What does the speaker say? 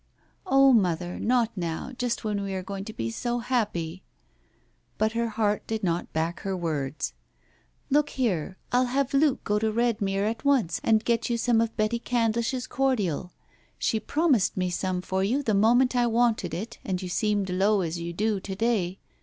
"Oh, mother, not now, just when we are going to be so happy." But her heart did not back her words. "Look here, I'll have Luke go to Redmire at once and get you some of Betty Candlish's cordial. She promised me some for you the moment I wanted it, and you seemed low as you do to day.